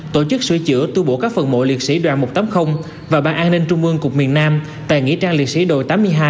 tổ chức sửa chữa tu bổ các phần mộ liệt sĩ đoàn một trăm tám mươi và ban an ninh trung mương cục miền nam tại nghĩa trang liệt sĩ đội tám mươi hai